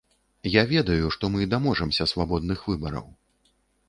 Я ведаю, што мы даможамся свабодных выбараў.